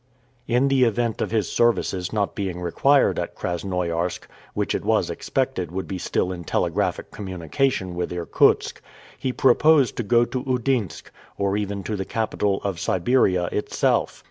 In the event of his services not being required at Krasnoiarsk, which it was expected would be still in telegraphic communication with Irkutsk, he proposed to go to Oudinsk, or even to the capital of Siberia itself.